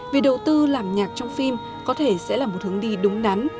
việc đầu tư làm nhạc trong phim có thể sẽ là một hướng đi đúng đắn